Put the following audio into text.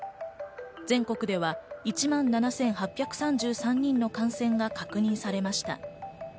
全国では１万７８３３人の感染が確認されました。